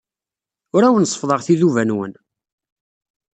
Ur awen-seffḍeɣ tiduba-nwen.